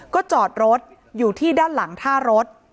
ก็จอดรถอยู่ที่ด้านหลังท่ารถ